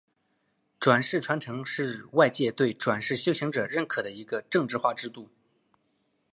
转世传承是外界对转世修行者认可的一个政治化制度。